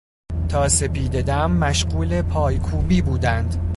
تا سپیدهدم مشغول پای کوبی بودند.